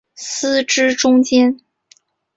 司职中坚。